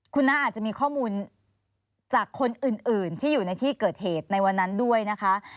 คุณน้าอาจจะมีข้อมูลจากคนอื่นที่อยู่ในที่เกิดเหตุในวันนั้นด้วยนะคะ